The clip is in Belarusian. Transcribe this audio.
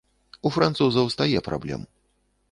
У французаў стае праблем.